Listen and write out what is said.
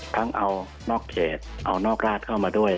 ทั้งเอานอกเขตเอานอกราชเข้ามาด้วย